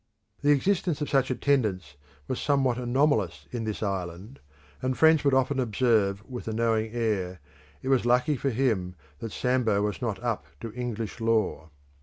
The existence of such attendants was some what anomalous in this island, and friends would often observe with a knowing air it was lucky for him that Sambo was not up to English law.